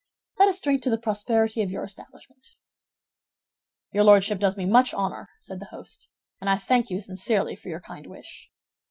Let us drink to the prosperity of your establishment." "Your Lordship does me much honor," said the host, "and I thank you sincerely for your kind wish."